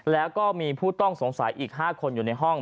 แล้วก็มีผู้ต้องสงสัยอีก๕คนอยู่ในห้อง